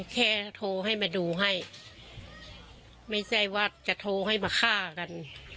โทรให้มาดูให้ไม่ใช่ว่าจะโทรให้มาฆ่ากัน